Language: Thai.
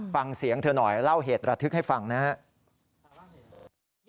ฟังเสียงเธอหน่อยเล่าเหตุระทึกให้ฟังนะครับ